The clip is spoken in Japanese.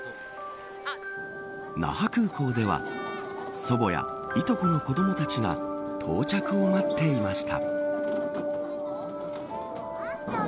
那覇空港では祖母やいとこの子どもたちが到着を待っていました。